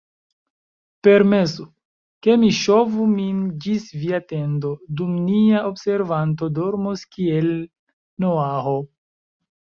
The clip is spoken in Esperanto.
Permesu, ke mi ŝovu min ĝis via tendo, dum nia observanto dormos kiel Noaho.